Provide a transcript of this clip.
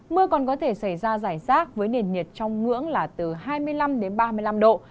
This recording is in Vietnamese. mưa còn có thể xảy ra giải rác với nền nhiệt trong ngưỡng là từ hai mươi năm đến ba mươi năm độ